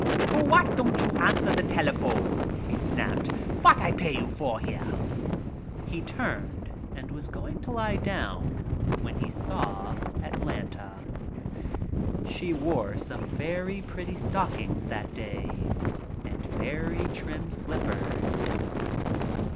"For why don't you answer the telephone," he snapped. "Vat I pay you for, here?" He turned and was going to lie down when he saw Atlanta. She wore some very pretty stockings that day and very trim slippers.